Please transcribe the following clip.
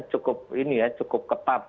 cukup ini ya cukup ketat